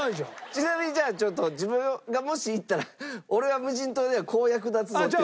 ちなみにじゃあちょっと自分がもし行ったら俺は無人島ではこう役立つぞっていうのを。